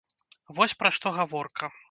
Вось пра што гаворка.